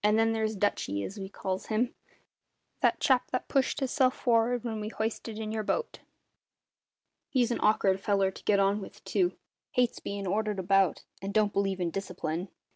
Then there's `Dutchy', as we calls him that chap that pushed hisself for'ard when we hoisted in your boat he's an awk'ard feller to get on with, too; hates bein' ordered about, and don't believe in discipline.